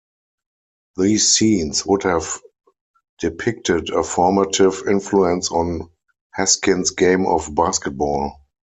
These scenes would have depicted a formative influence on Haskins' game of basketball.